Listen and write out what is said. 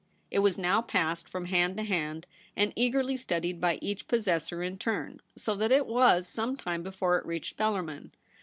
It was now passed from hand to hand, and eagerly studied by each pos sessor in turn, so that it was some time before it reached Bellarmin.